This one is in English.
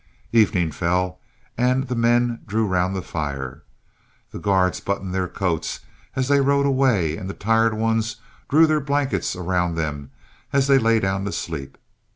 Evening fell, and the men drew round the fires. The guards buttoned their coats as they rode away, and the tired ones drew their blankets around them as they lay down to sleep.